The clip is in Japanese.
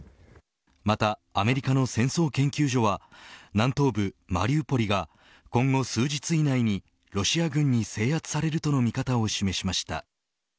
またアメリカの戦争研究所は南東部マリウポリが今後数日以内にロシア軍に制圧されるとの見方を示しました。